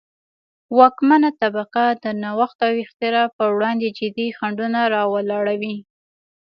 واکمنه طبقه د نوښت او اختراع پروړاندې جدي خنډونه را ولاړوي.